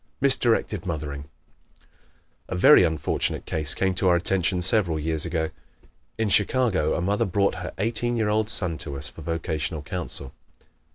Misdirected Mothering ¶ A very unfortunate case came to our attention several years ago. In Chicago a mother brought her eighteen year old son to us for vocational counsel.